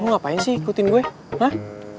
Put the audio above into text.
lo ngapain sih hikutin gue hah